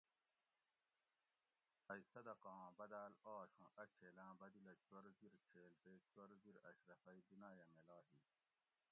ائ صدقاں بداۤل آش اُوں اۤ چھیلاۤں بدِلہ چور زیر چھیل تے چور زیر اشرفئ دُناۤیہ میلا ہی